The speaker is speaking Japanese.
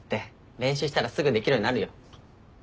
練習したらすぐできるようになるよ。